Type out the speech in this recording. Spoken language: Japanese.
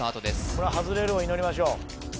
これ外れるを祈りましょう